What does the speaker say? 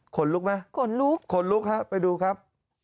ขนลุกไหมขนลุกครับไปดูครับ